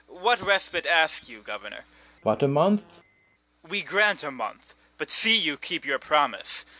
What respite ask you, governor? FERNEZE. But a month. CALYMATH. We grant a month; but see you keep your promise.